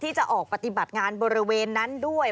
ที่จะออกปฏิบัติงานบริเวณนั้นด้วย